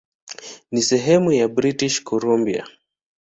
Ni sehemu ya British Columbia.